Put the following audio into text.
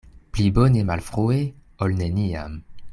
Pli bone malfrue, ol neniam.